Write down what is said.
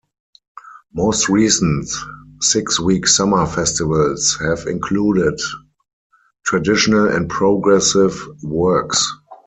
Most recent six-week summer festivals have included traditional and progressive works.